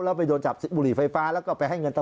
แล้วไปโดนจับบุหรี่ไฟฟ้าแล้วก็ไปให้เงินต่อ